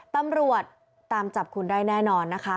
ตำรวจตามจับคุณได้แน่นอนนะคะ